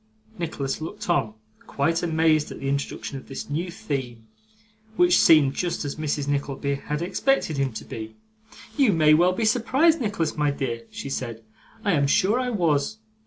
Nicholas looked on, quite amazed at the introduction of this new theme. Which seemed just what Mrs. Nickleby had expected him to be. 'You may well be surprised, Nicholas, my dear,' she said, 'I am sure I was.